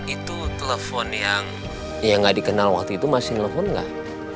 itu telepon yang gak dikenal waktu itu masih nelfon nggak